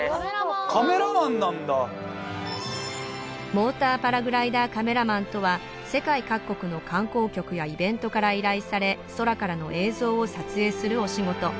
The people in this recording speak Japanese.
モーターパラグライダーカメラマンとは世界各国の観光局やイベントから依頼され空からの映像を撮影するお仕事